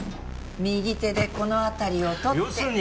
右手でこの辺りを取って。